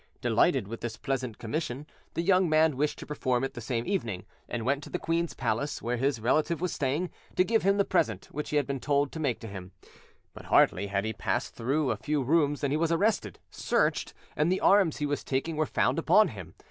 Delighted with this pleasant commission, the young man wished to perform it the same evening, and went to the queen's palace, where his relative was staying, to give him the present which he had been told to take to him. But hardly had he passed through a few rooms than he was arrested, searched, and the arms he was taking were found upon him.